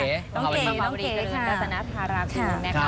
ร้อยแอ่งกลิ่งประภาวดีเจริญรัฐนาธารากุล